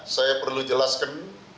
saya perlu jelaskan